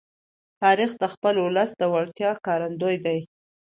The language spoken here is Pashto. تاریخ د خپل ولس د وړتیاو ښکارندوی دی.